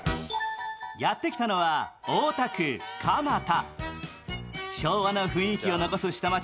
やってきたのは大田区蒲田。